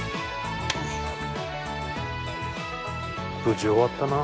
無事終わったな。